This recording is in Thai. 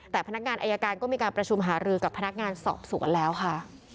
แต่พนักงานอายการก็มีการประชุมหารือกับพนักงานสอบสวนแล้วค่ะ